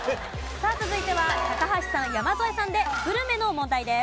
さあ続いては高橋さん山添さんでグルメの問題です。